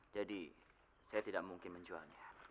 jadi saya tidak mungkin menjualnya